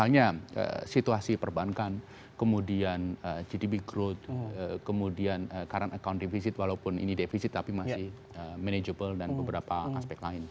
misalnya situasi perbankan kemudian gdp growth kemudian current account deficit walaupun ini defisit tapi masih manageable dan beberapa aspek lain